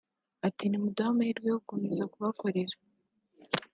Ati “Muduhe amahirwe yo gukomeza kubakorera